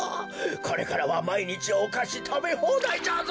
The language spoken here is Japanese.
これからはまいにちおかしたべほうだいじゃぞ。